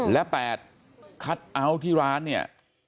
และ๘คัทเอาท์ที่ร้านเนี่ย